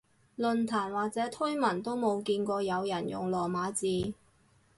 論壇或者推文都冇見過有人用羅馬字